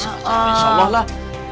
insya allah lah